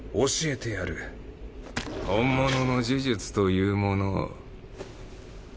教えてやる本物の呪術というものを。